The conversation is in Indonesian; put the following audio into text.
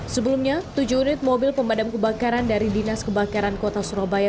sebelumnya tujuh unit mobil pemadam kebakaran dari dinas kebakaran kota surabaya